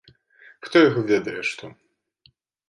Хто яго ведае, што.